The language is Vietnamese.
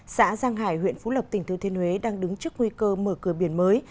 xã giang hải huyện phú lộc tỉnh thừa thiên huế đang đứng trước nguy cơ mở cửa biển mới